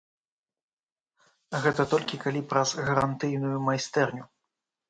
Гэта толькі калі праз гарантыйную майстэрню.